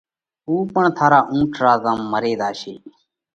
اُو پڻ ٿارا اُونٺ را زم مري زاشي۔